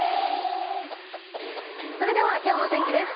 それではきょうの天気です。